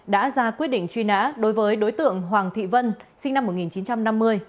đã ra quyết định truy nã đối với đối tượng hoàng thị vân sinh năm một nghìn chín trăm năm mươi